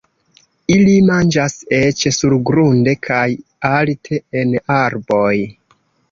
Ili manĝas eĉ surgrunde kaj alte en arboj.